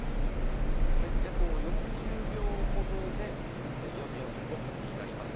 あと４０秒ほどで、４時４５分になります。